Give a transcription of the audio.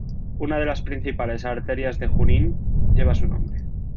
Una de las principales arterias de Junín lleva su nombre.